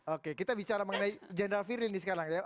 oke kita bicara mengenai jendral firly ini sekarang ya